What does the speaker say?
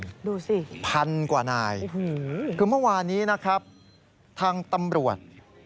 ดูสิพันกว่านายคือเมื่อวานนี้นะครับทางตำรวจ